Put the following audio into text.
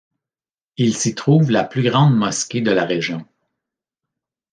Il s'y trouve la plus grande mosquée de la région.